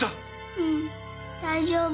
うん大丈夫。